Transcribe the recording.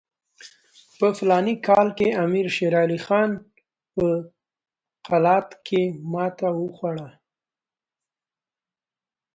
په فلاني کال کې امیر شېر علي خان په قلات کې ماته وخوړه.